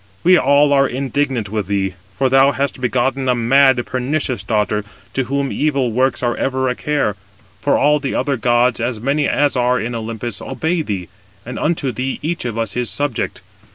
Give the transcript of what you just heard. We all are indignant with thee; 232 for thou hast begotten a mad, pernicious daughter, to whom evil works are ever a care. For all the other gods, as many as are in Olympus, obey thee, and unto thee each of us is subject.